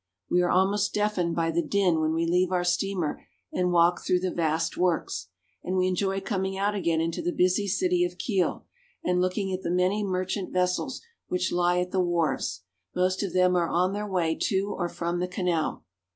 We are almost deafened by the din when we leave our steamer and walk through the vast works ; and we enjoy coming out again into the busy city of Kiel, and looking at the many merchant ves sels which lie at the wharves ; most of them are on their way to or from the canal.